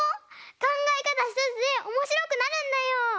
かんがえかたひとつでおもしろくなるんだよ！